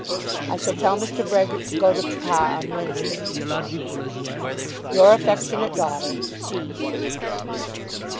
I shall tell Mr. Brehgert to go to papa on Wednesday. Your affectionate daughter, G.